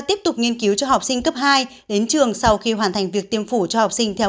tiếp tục nghiên cứu cho học sinh cấp hai đến trường sau khi hoàn thành việc tiêm phổ cho học sinh theo